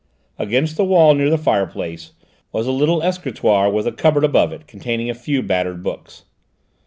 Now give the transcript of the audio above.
Against the wall, near the fireplace, was a little escritoire with a cupboard above it, containing a few battered books.